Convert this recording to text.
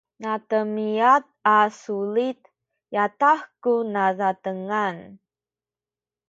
nademiad a sulit yadah ku nazatengan